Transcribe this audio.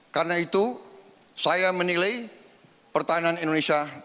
karena itu saya menilai pertahanan indonesia